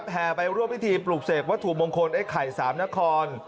แห่ไปร่วมพิธีปลูกเสกวัตถุมงคลไอ้ไข่สามนคร